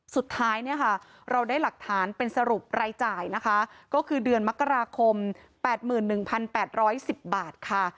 สุดท้ายเนี่ยค่ะเราได้หลักฐานเป็นสรุปรายจ่ายนะคะก็คือเดือนมกราคม๘๑๘๑๐บาทค่ะ